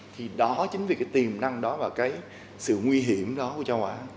thì đó chính vì cái tiềm năng đó và cái sự nguy hiểm đó của châu á